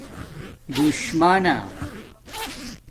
دُشمانݳ